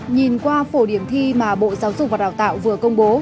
nhìn qua phổ điểm thi mà bộ giáo dục và đào tạo vừa công bố